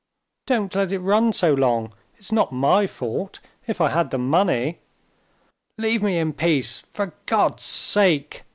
"Don't let it run so long; it's not my fault. If I had the money...." "Leave me in peace, for God's sake!"